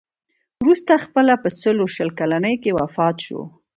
وروسته خپله په سلو شل کلنۍ کې وفات شو.